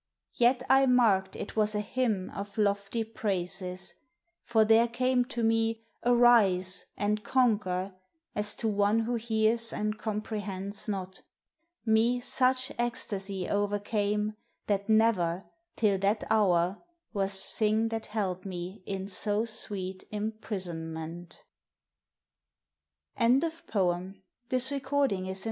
Vet I marked il was a hymn Of lofty praises; for there came to me "Arise," and " Conquer," as to one who hears And comprehends not. Me sneli ecstasy O'ercame, that never, till thai hour, was thing That held me in so sweet imprisonment.